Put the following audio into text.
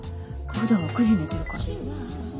ふだんは９時に寝てるから。